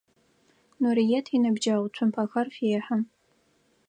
Нурыет иныбджэгъу цумпэхэр фехьы.